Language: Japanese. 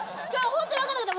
ホントに分かんなかった。